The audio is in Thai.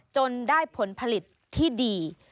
จนได้ผลผลิตที่ดี